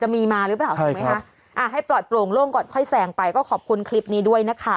มีมาหรือเปล่าถูกไหมคะอ่าให้ปล่อยโปร่งโล่งก่อนค่อยแสงไปก็ขอบคุณคลิปนี้ด้วยนะคะ